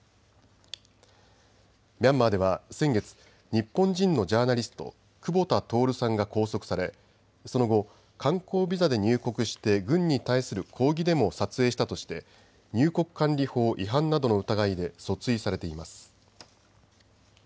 ミャンマーでは先月、日本人のジャーナリスト久保田徹さんが拘束されその後観光ビザで入国して軍に対する抗議デモを撮影したとして入国管理法違反などの疑いで訴追されています。